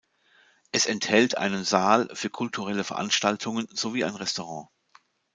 Es enthält einen Saal für kulturelle Veranstaltungen sowie ein Restaurant.